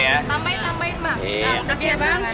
terima kasih ya bang